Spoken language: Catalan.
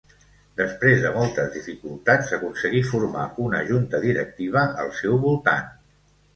Després de moltes dificultats, aconseguí formar una junta directiva al seu voltant.